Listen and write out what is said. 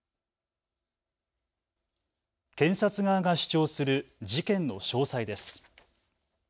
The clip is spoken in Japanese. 検察側が主張する事件の詳細です。